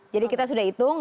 jadi kita sudah hitung